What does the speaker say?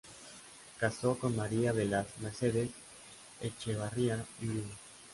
Casó con María de las Mercedes Echevarría y Uribe.